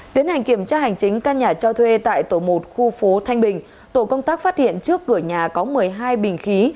tiến hành kiểm tra hành chính căn nhà cho thuê tại tổ một khu phố thanh bình tổ công tác phát hiện trước cửa nhà có một mươi hai bình khí